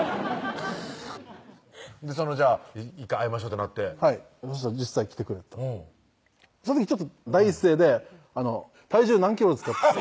カァー１回会いましょうってなってはいそしたら実際来てくれたうんその時ちょっと第一声で「体重何キロですか？」